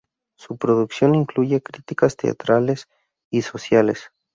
Su producción incluye críticas teatrales y sociales.